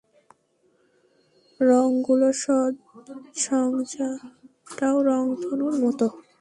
রঙগুলোর সংজ্জাটাও রংধনুর মতো।